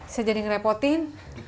saya jadi ngerepotin